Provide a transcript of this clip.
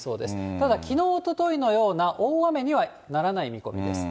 ただ、きのう、おとといのような大雨にはならない見込みです。